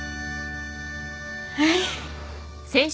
はい。